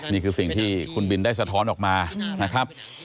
นี่คือสิ่งที่คุณบินได้สะท้อนออกมานะครับ